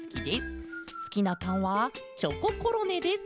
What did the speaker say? すきなパンはチョココロネです。